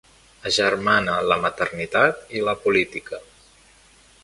Agermana la maternitat i la política.